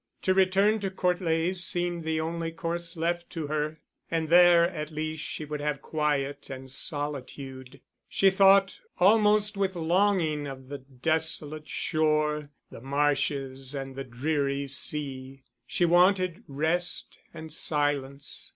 To return to Court Leys seemed the only course left to her, and there at least she would have quiet and solitude. She thought almost with longing of the desolate shore, the marshes and the dreary sea; she wanted rest and silence.